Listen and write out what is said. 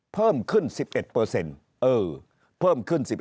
เพิ่มขึ้น๑๑เพิ่มขึ้น๑๑